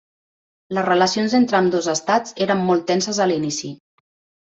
Les relacions entre ambdós estats eren molt tenses a l'inici.